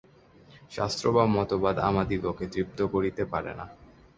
শাস্ত্র বা মতবাদ আমাদিগকে তৃপ্ত করিতে পারে না।